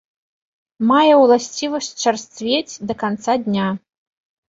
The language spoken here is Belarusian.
Мае ўласцівасць чарсцвець да канца дня.